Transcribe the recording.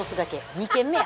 ２軒目や！